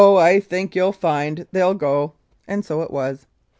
I think you'll find they'll go," and so it was.